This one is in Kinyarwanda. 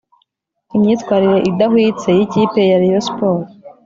imyitwarire idahwitse y’ikipe ya rayon sports."